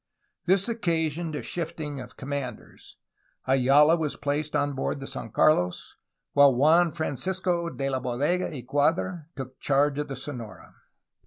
This occasioned a shifting of commanders. Ayala was placed on board the San Carlos , while Juan Francisco de la Bodega y Cuadra took charge of the Sonora.